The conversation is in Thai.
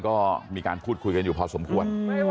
ก็มีการพูดคุยกันอยู่พอสมควร